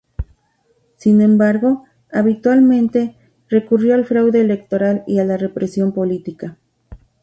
Sin embargo, habitualmente recurrió al fraude electoral y a la represión política.